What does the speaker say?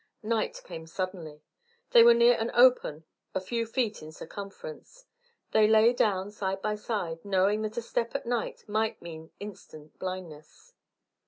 Night came suddenly. They were near an open a few feet in circumference. They lay down side by side, knowing that a step at night might mean instant blindness.